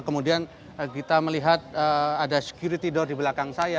kemudian kita melihat ada security door di belakang saya